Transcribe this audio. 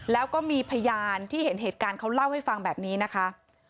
แล้วก็มีพยานที่เห็นเหตุการณ์เขาเล่าให้ฟังแบบนี้นะคะ